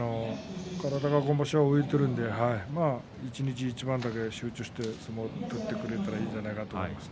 体が今場所動いているので一日一番集中して相撲を取ってくれたらいいんじゃないかと思います。